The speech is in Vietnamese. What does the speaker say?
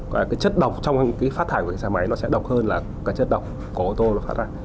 cái chất độc trong cái phát thải của cái xe máy nó sẽ độc hơn là cái chất độc của ô tô nó phát ra